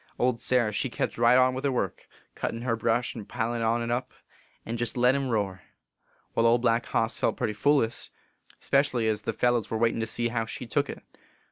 Old Sarah she kept right on with her work, cuttin her brash and pilin on t up, and jest let him roar. Wai, Old Black Hoss felt putty foolish, spe cially ez the fellers were waitin to see how she took it.